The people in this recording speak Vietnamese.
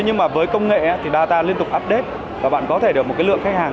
nhưng mà với công nghệ thì data liên tục update và bạn có thể được một cái lượng khách hàng